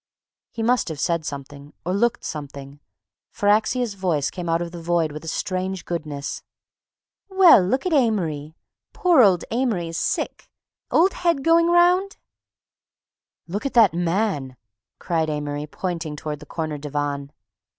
He must have said something, or looked something, for Axia's voice came out of the void with a strange goodness. "Well, look at Amory! Poor old Amory's sick—old head going 'round?" "Look at that man!" cried Amory, pointing toward the corner divan.